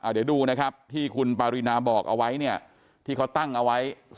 เดี๋ยวดูนะครับที่คุณปารีนาบอกเอาไว้เนี่ยที่เขาตั้งเอาไว้